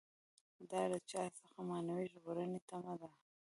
دا له چا څخه معنوي ژغورنې تمه ده.